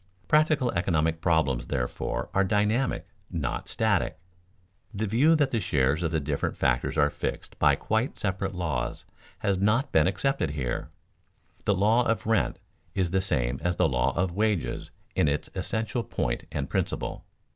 Practical economic problems, therefore, are dynamic, not static. The view that the shares of the different factors are fixed by quite separate laws has not been accepted here. The law of rent is the same as the law of wages in its essential point and principle.